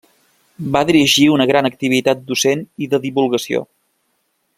Va dirigir una gran activitat docent i de divulgació.